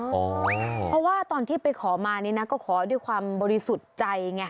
เพราะว่าตอนที่ไปขอมานี่นะก็ขอด้วยความบริสุทธิ์ใจไง